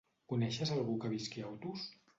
Coneixes algú que visqui a Otos?